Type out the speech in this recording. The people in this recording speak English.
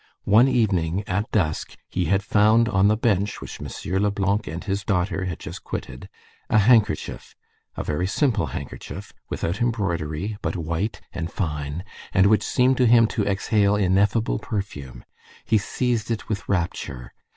One evening, at dusk, he had found, on the bench which "M. Leblanc and his daughter" had just quitted, a handkerchief, a very simple handkerchief, without embroidery, but white, and fine, and which seemed to him to exhale ineffable perfume. He seized it with rapture.